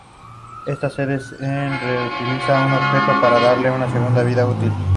Esta se basa en "reutilizar" un objeto para darle una segunda vida útil.